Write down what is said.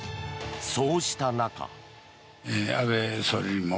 そうした中。